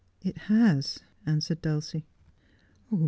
' It has,' answered Dulcie.